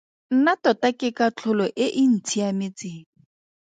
Nna tota ke katlholo e e ntshiametseng.